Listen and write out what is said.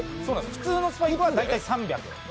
普通のスパイクは大体３００。